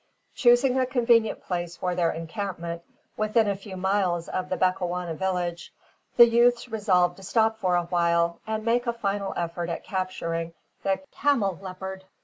Choosing a convenient place for their encampment within a few miles of the Bechuana village, the youths resolved to stop for a while, and make a final effort at capturing the camelopards.